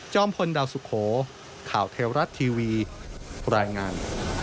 พลดาวสุโขข่าวเทวรัฐทีวีรายงาน